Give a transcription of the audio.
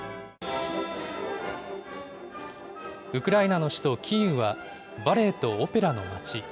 ウクライナの首都キーウは、バレエとオペラの町。